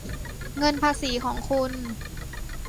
เงินภาษีของคุณ